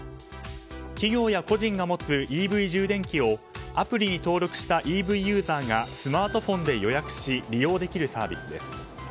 企業や個人が持つＥＶ充電器をアプリに登録したＥＶユーザーがスマートフォンで予約し利用できるサービスです。